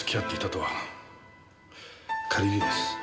仮にです。